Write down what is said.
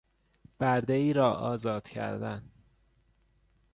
بردهای را آزاد کردن